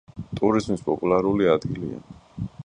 ტურიზმის პოპულარული ადგილია.